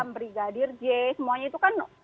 brigadir j semuanya itu kan